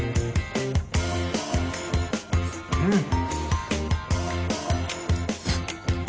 うん！